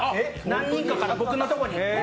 何人かから僕のとこに。